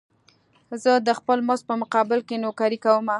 زه د خپل مزد په مقابل کې نوکري کومه.